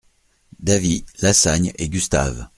Davy, Lassagne et Gustave.